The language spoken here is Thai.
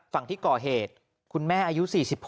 ฝั่งที่ก่อเหตุคุณแม่อายุ๔๖